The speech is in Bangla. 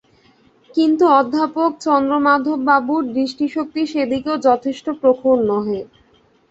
কিন্তু অধ্যাপক চন্দ্রমাধববাবুর দৃষ্টিশক্তি সে দিকেও যথেষ্ট প্রখর নহে।